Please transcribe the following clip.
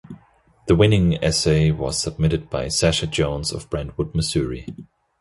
The winning essay was submitted by Sasha Jones of Brentwood, Missouri.